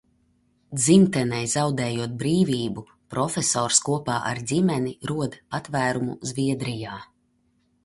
Dzimtenei zaudējot brīvību, profesors kopā ar ģimeni rod patvērumu Zviedrijā.